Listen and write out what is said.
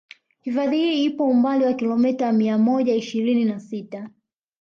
Hifadhi hii ipo umbali wa kilomita mia moja ishirini na sita